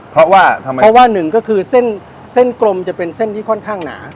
เพราะว่าเพราะว่าหนึ่งก็คือเส้นเส้นกลมจะเป็นเส้นที่ค่อนข้างหนา